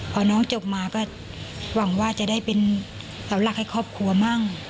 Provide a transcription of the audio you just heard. พอน้องจบมาก็หวังว่าจะได้เป็นเสาหลักให้ครอบครัวมั่ง